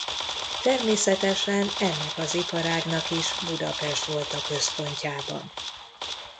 Természetesen ennek az iparágnak is Budapest volt a központjában.